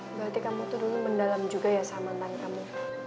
berarti kamu turun mendalam juga ya sama mantan kamu